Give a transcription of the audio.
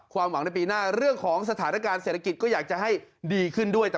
ความหวังในปีหน้าเรื่องของสถานการณ์เศรษฐกิจก็อยากจะให้ดีขึ้นด้วย